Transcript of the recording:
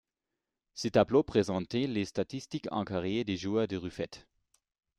Ce tableau présente les statistiques en carrière de joueur de Rufete.